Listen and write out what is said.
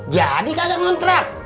jadi kakak ngontrak